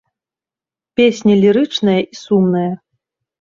Песня лірычная і сумная.